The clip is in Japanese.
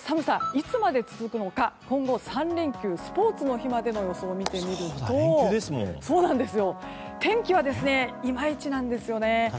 いつまで続くのか今後３連休、スポーツの日までの予報見てみると天気、いまいちなんですよね。